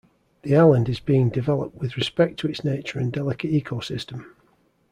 The island is being developed with respect to its nature and delicate ecosystem.